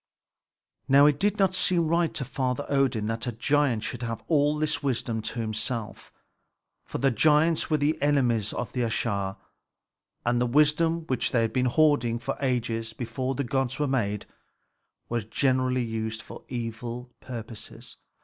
Now it did not seem right to Father Odin that a giant should have all this wisdom to himself; for the giants were the enemies of the Æsir, and the wisdom which they had been hoarding for ages before the gods were made was generally used for evil purposes.